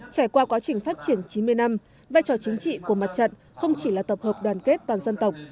trải qua quá trình phát triển chín mươi năm vai trò chính trị của mặt trận không chỉ là tập hợp đoàn kết toàn dân tộc